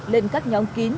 lên các nhóm kín